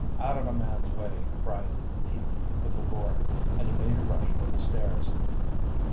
"Out of a man's way," cried Pete with a roar, and he made a rush for the stairs.